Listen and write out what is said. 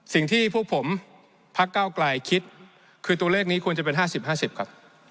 สิ่งที่พวกผมพักเก้าไกลคิดคือตัวเลขนี้ควรจะเป็น๕๐๕๐ครับ